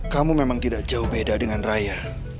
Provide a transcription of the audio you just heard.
kamu memang tidak jauh beda dengan raya